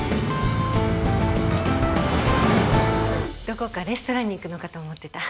どこかレストランに行くのかと思ってた。